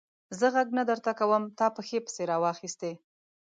زه ږغ نه درته کوم؛ تا پښې پسې را واخيستې.